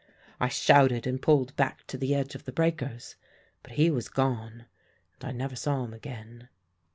I shouted and pulled back to the edge of the breakers; but he was gone, and I never saw him again.